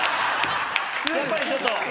やっぱりちょっと？